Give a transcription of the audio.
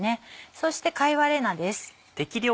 そして貝割れ菜です。